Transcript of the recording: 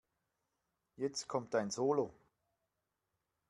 Jetzt kommt dein Solo.